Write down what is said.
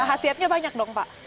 hasilnya banyak dong pak